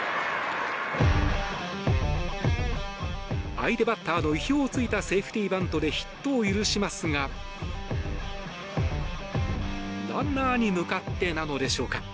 相手バッターの意表を突いたセーフティーバントでヒットを許しますがランナーに向かってなのでしょうか。